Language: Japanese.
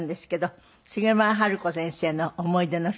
杉村春子先生の思い出の品。